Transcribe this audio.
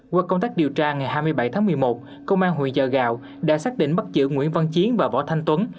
qua công tác điều tra ngày hai mươi bảy tháng một mươi một công an huyện giờ gào đã xác định bắt giữ nguyễn văn chiến và võ thanh tuấn